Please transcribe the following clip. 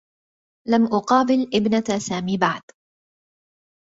لم أقابل ابنة سامي بعد.